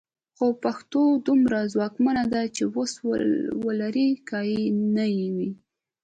خو پښتو دومره ځواکمنه ده چې وس ولري که یې نه وي.